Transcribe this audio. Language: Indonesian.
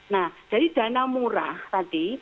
nah dari dana murah tadi